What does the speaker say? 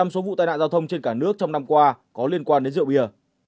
một mươi số vụ tai nạn giao thông trên cả nước trong năm qua có liên quan đến rượu bia